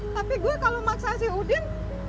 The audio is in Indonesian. tapi gue kalau maksa sih udin